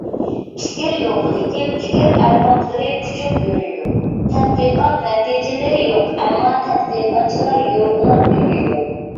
پىكىر يوق، لېكىن «پىكىر ئەربابلىرى» ئۇچۇپ يۈرىيدۇ، تەتقىقات نەتىجىلىرى يوق، ئەمما «تەتقىقاتچىلار» يورغىلاپ يۈرىيدۇ.